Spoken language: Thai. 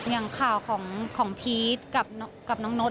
อย่างข่าวของพีชกับน้องโน๊ต